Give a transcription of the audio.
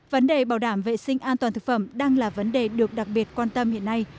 vấn đề bảo đảm vệ sinh an toàn thực phẩm đang là vấn đề được đặc biệt quan tâm hiện nay